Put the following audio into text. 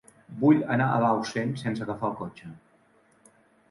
Vull anar a Bausen sense agafar el cotxe.